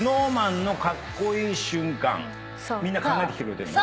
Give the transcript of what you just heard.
「みんな考えてきてくれてるの？」